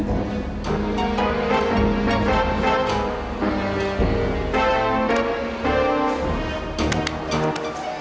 nah ada apa sih